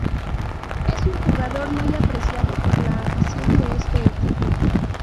Es un jugador muy apreciado por la afición de este equipo.